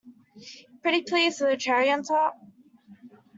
Pretty please with a cherry on top!